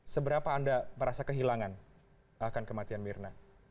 seberapa anda merasa kehilangan akan kematian mirna